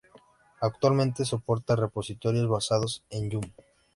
Actualmente soporta repositorios basados en "yum".